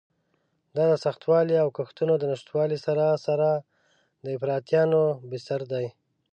دا د سختوالي او کښتونو د نشتوالي سره سره د افراطیانو بستر دی.